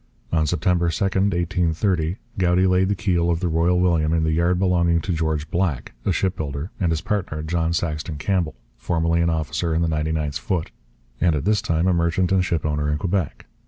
On September 2, 1830, Goudie laid the keel of the Royal William in the yard belonging to George Black, a shipbuilder, and his partner, John Saxton Campbell, formerly an officer in the 99th Foot, and at this time a merchant and shipowner in Quebec.